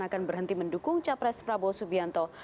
akan berhenti mendukung capres prabowo subianto